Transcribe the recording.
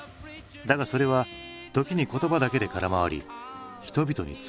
だがそれは時に言葉だけで空回り人々に疲れを生む。